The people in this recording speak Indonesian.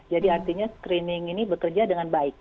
jadi artinya screening ini bekerja dengan baik